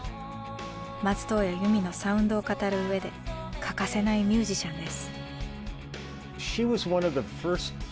松任谷由実のサウンドを語るうえで欠かせないミュージシャンです。